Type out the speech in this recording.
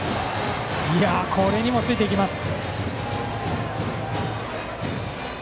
これにもついていきます。